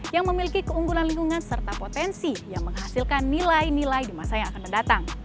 yang memiliki keunggulan lingkungan serta potensi yang menghasilkan nilai nilai di masa yang akan mendatang